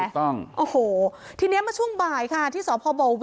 ถูกต้องโอ้โหที่ในเมื่อช่วงบ่ายค่ะที่สมภาว